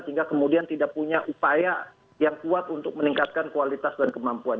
sehingga kemudian tidak punya upaya yang kuat untuk meningkatkan kualitas dan kemampuan